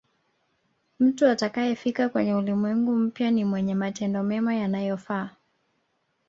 mtu atakayefika kwenye ulimwengu mpya ni mwenye matendo mema yanayofaa